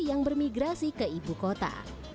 yang bermigrasi ke ibu kota